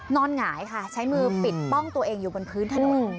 หงายค่ะใช้มือปิดป้องตัวเองอยู่บนพื้นถนน